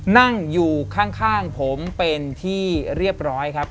นั่งอยู่ข้างผมเป็นที่เรียบร้อยครับ